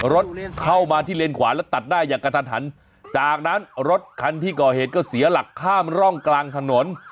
รถเข้ามาที่เลนขวาแล้วตัดได้อย่างกระทันหันจากนั้นรถคันที่ก่อเหตุก็เสียหลักข้ามร่องกลางถนน